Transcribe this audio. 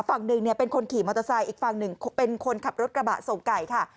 ฝั่งหนึ่งเนี่ยเป็นคนขี่มอเตอร์ไซค์อีกฝั่งหนึ่งเป็นคนขับรถกระบะส่งไก่ค่ะ